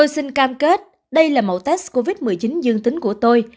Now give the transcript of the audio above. tôi xin cam kết đây là mẫu test covid một mươi chín dương tính của tôi